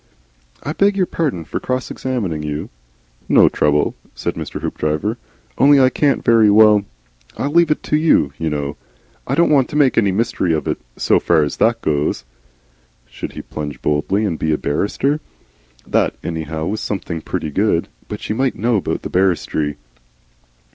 "I beg your pardon for cross examining you." "No trouble," said Mr. Hoopdriver. "Only I can't very well I leave it to you, you know. I don't want to make any mystery of it, so far as that goes." Should he plunge boldly and be a barrister? That anyhow was something pretty good. But she might know about barristry.